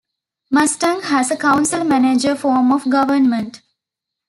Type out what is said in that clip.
Mustang has a council-manager form of government.